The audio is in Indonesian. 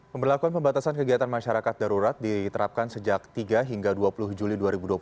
pemberlakuan pembatasan kegiatan masyarakat darurat diterapkan sejak tiga hingga dua puluh juli dua ribu dua puluh satu